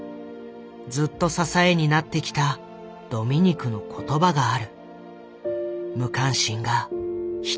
ずっと支えになってきたドミニクの言葉がある。